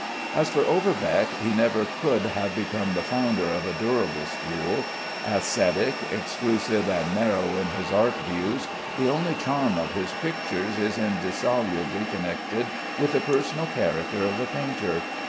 As for Overbeck, he never could have become the founder of a durable school. Ascetic, exclusive, and narrow in his art views, the only charm of his pictures is indissolubly connected with the personal character of the painter.